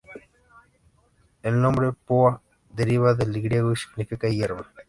El nombre "Poa" deriva del griego y significa "hierba".